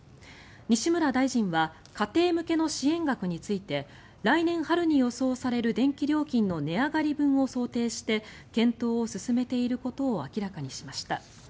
西村大臣は家庭向けの支援額について来年春に予想される電気料金の値上がり分を想定して検討を進めていることを明らかにしました。